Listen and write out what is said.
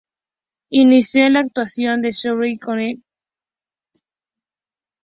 Inició en la actuación en la Southern Connecticut State University en New Haven, Connecticut.